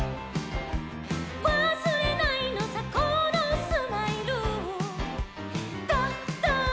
「わすれないのさこのスマイル」「ドド」